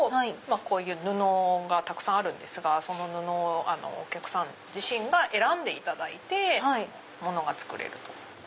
こういう布がたくさんあるんですがその布をお客さん自身が選んでいただいて物が作れる。